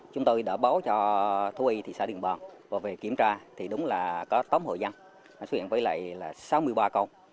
chúng tôi đã báo cho thú y xã điện tiến và về kiểm tra thì đúng là có tấm hội dân xuất hiện với lại là sáu mươi ba con